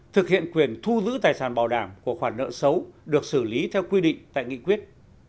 thực hiện quyền thu giữ tài sản bảo đảm của khoản nợ xấu được xử lý theo quy định tại nghị quyết